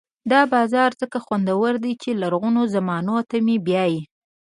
دا بازار ځکه خوندور دی چې لرغونو زمانو ته مې بیايي.